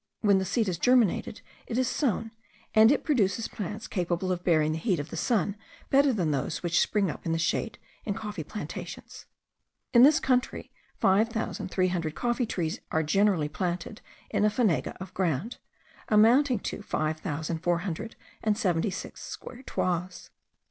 When the seed has germinated it is sown, and it produces plants capable of bearing the heat of the sun better than those which spring up in the shade in coffee plantations. In this country five thousand three hundred coffee trees are generally planted in a fanega of ground, amounting to five thousand four hundred and seventy six square toises.